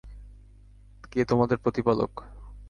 কে তোমাদের প্রতিপালক?